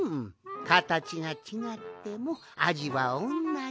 かたちがちがってもあじはおんなじ。